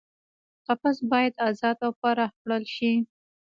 قفس باید ازاد او پراخ کړل شي.